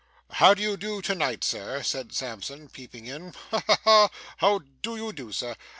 'How do you do to night sir?' said Sampson, peeping in. 'Ha ha ha! How do you do sir?